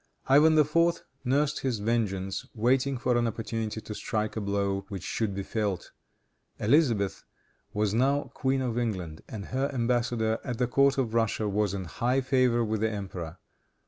Ivan IV. nursed his vengeance, waiting for an opportunity to strike a blow which should be felt. Elizabeth was now Queen of England, and her embassador at the court of Russia was in high favor with the emperor.